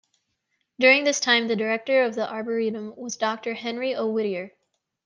During this time the director of the Arboretum was Doctor Henry O. Whittier.